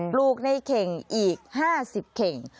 ลูกในเข่งอีก๕๐เข่ง